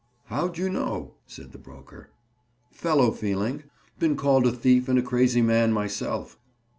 "How'd you know?" said the broker. "Fellow feeling. Been called a thief and a crazy man, myself."